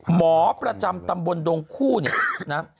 หมอประจำตำบลดงคู่เนี่ยนะ